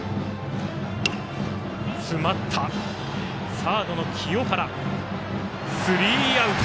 サードの清原がとってスリーアウト。